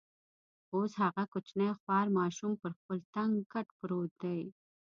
اوس هغه کوچنی خوار ماشوم پر خپل تنګ کټ پروت دی.